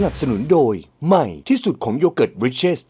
สนุนโดยใหม่ที่สุดของโยเกิร์ตบริเชส